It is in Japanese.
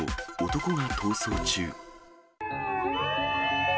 男が逃走中。